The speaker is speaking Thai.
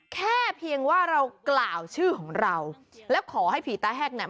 แค่เพียงว่าเรากล่าวชื่อของเราแล้วขอให้ผีตาแห้งเนี่ย